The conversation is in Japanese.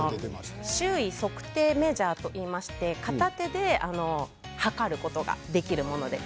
周囲測定メジャーといいまして片手で測ることができるものです。